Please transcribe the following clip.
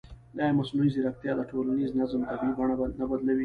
ایا مصنوعي ځیرکتیا د ټولنیز نظم طبیعي بڼه نه بدلوي؟